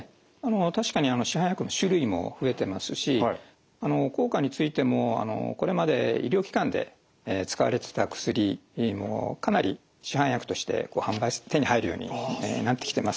確かに市販薬の種類も増えてますし効果についてもこれまで医療機関で使われてた薬もかなり市販薬として手に入るようになってきてます。